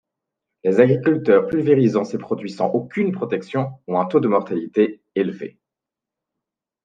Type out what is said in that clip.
Les agriculteurs pulvérisant ces produits sans aucune protection ont un taux de mortalité élevé.